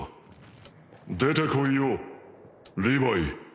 出てこいよリヴァイ。